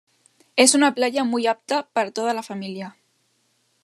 Es una playa muy apta para toda la familia.